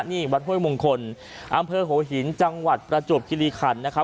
นี่วัดห้วยมงคลอำเภอหัวหินจังหวัดประจวบคิริขันนะครับ